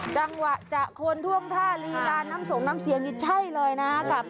จังหวันขนท่วงท่ารีการทำส่งนำเสียงวิทชัยเลยนะครับ